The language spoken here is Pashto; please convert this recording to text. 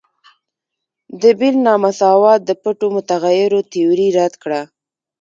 د بیل نا مساوات د پټو متغیرو تیوري رد کړه.